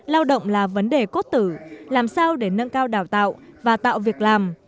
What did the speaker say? lao động là vấn đề cốt tử làm sao để nâng cao đào tạo và tạo việc làm